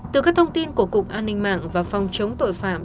từ các thông tin của cục an ninh mạng và phòng chống tội phạm